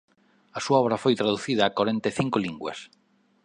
A súa obra foi traducida a corenta e cinco linguas.